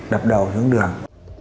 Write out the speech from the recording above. đập đầu xuống đường